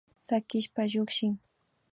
Sakishpa llukshin